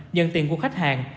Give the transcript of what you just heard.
nhận tiền của khách hàng